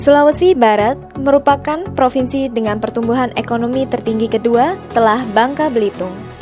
sulawesi barat merupakan provinsi dengan pertumbuhan ekonomi tertinggi kedua setelah bangka belitung